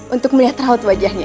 untuk melihat raut wajahnya